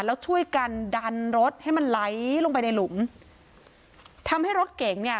แล้วช่วยกันดันรถให้มันไหลลงไปในหลุมทำให้รถเก๋งเนี่ย